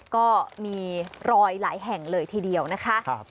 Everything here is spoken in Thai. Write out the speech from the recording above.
ก็มีรอยหลายแห่งเลยทีเดียวนะคะ